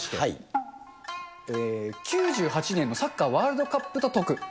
９８年のサッカーワールドカップととく。